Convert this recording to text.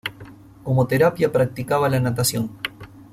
Como terapia practicaba la natación.